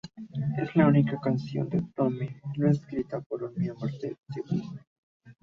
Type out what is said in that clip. Es la única canción de "Tommy" no escrita por un miembro de The Who.